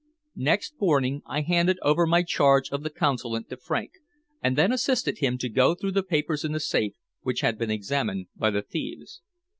Next morning I handed over my charge of the Consulate to Frank, and then assisted him to go through the papers in the safe which had been examined by the thieves.